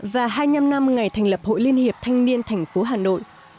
và hai mươi năm năm ngày thành lập hội liên hiệp thanh niên thành phố hà nội